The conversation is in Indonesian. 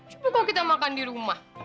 coba kok kita makan di rumah